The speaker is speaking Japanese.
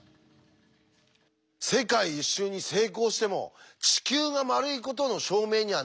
世界一周に成功しても「地球が丸いことの証明にはならない」ってことですよ。